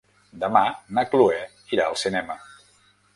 Demà na Chloé irà al cinema.